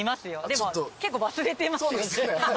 でも結構忘れてますよね。